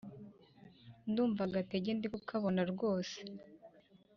ndumva agatege ndibukabone rwose.